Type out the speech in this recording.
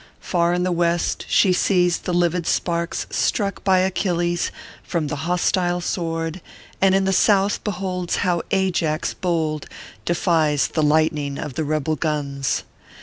Far in the West, she sees the livid sparks struck by Achilles from the hostile sword, and in the South beholds how Ajax bold de fies the lightning of the rebel guns.